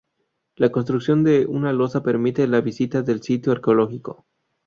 La construcción de una losa permite la visita del sitio arqueológico.